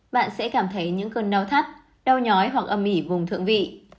bạn sẽ cảm thấy những cơn đau thắt đau nhói hoặc âm ỉ vùng thượng vị